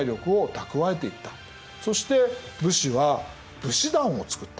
そして武士は武士団を作った。